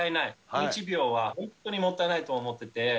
１秒は本当にもったいないと思ってて。